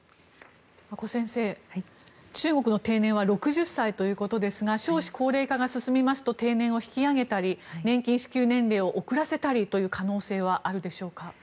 阿古先生、中国の定年は６０歳ということですが少子高齢化が進みますと定年を引き上げたり年金支給年齢を遅らせたりという可能性はあるでしょうか？